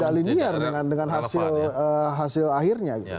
tidak linear dengan hasil akhirnya gitu